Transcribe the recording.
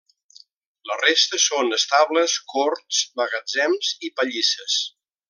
La resta són estables, corts, magatzems i pallisses.